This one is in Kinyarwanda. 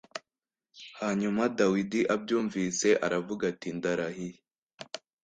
Hanyuma Dawidi abyumvise aravuga ati “ndarahiye”